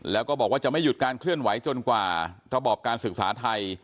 แล้วก็บอกว่าจะไม่หยุดการเคลื่อนไหวจนกว่าระบอบการศึกษาไทย